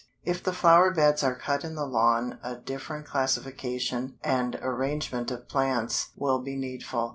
If the flower beds are cut in the lawn a different classification and arrangement of plants will be needful.